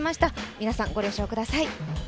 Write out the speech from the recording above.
皆さん、ご了承ください。